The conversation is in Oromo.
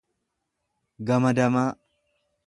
camadamaa.